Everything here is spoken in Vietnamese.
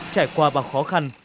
trải qua bao khó khăn